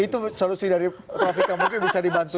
itu solusi dari prof jokowi bisa dibantu